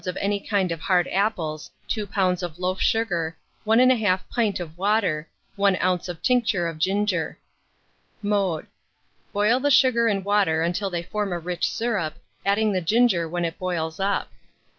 of any kind of hard apples, 2 lbs. of loaf sugar, 1 1/2 pint of water, 1 oz. of tincture of ginger. Mode. Boil the sugar and water until they form a rich syrup, adding the ginger when it boils up.